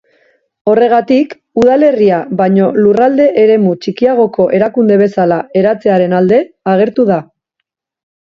Horregatik, udalerria baino lurralde-eremu txikiagoko erakunde bezala eratzearen alde agertu da.